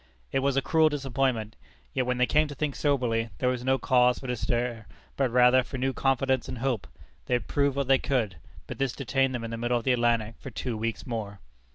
It was a cruel disappointment. Yet when they came to think soberly, there was no cause for despair, but rather for new confidence and hope. They had proved what they could do. But this detained them in the middle of the Atlantic for two weeks more.